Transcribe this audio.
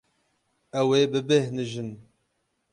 Ew ê bibêhnijin.